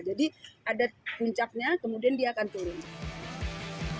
jadi ada puncaknya kemudian dia akan turun